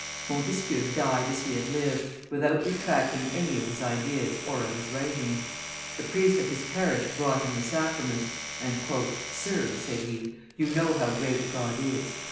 Montesquieu died as he had lived, without retracting any of his ideas or of his writings. The priest of his parish brought him the sacraments, and, "Sir," said he, "you know how great God is!"